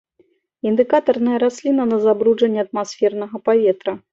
Індыкатарная расліна на забруджанне атмасфернага паветра.